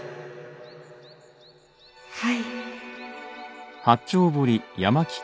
はい。